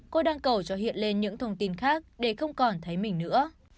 cô đang cầu cho hiện lên những thông tin khác để không còn thấy mình nữa